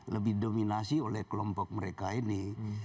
lebih dominasi oleh kelompok mereka ini